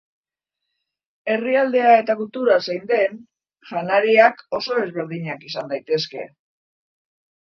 Herrialdea eta kultura zein den, janariak oso ezberdinak izan daitezke.